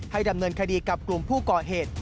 ดำเนินคดีกับกลุ่มผู้ก่อเหตุ